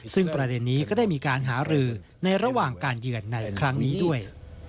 ซึ่งประเด็นนี้ก็ได้มีการหารือในระหว่างการเยือนในครั้งนี้ด้วย